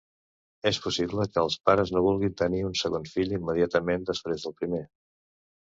És possible que els pares no vulguin tenir un segon fill immediatament després del primer.